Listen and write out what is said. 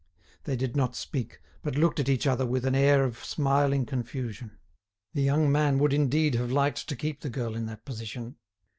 They did not speak, but looked at each other with an air of smiling confusion. The young man would indeed have liked to keep the girl in that position.